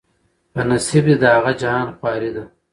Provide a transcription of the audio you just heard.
په نصیب دي د هغه جهان خواري ده